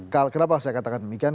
kenapa saya katakan demikian